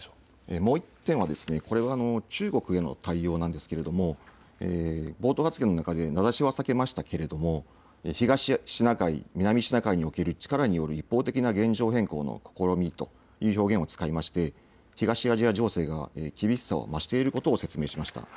もう１点はこれは中国への対応なんですけれども冒頭発言の中で名指しは避けましたけれども東シナ海、南シナ海における力による一方的な現状変更の試みという表現を使いまして東アジア情勢が厳しさを増していることを説明しました。